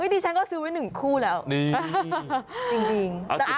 ที่นี่ฉันก็ซื้อไว้หนึ่งคู่แล้วจริงนี่